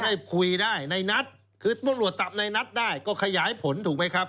ให้คุยได้ในนัดคือตำรวจจับในนัทได้ก็ขยายผลถูกไหมครับ